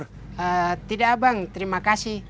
tidak abang terima kasih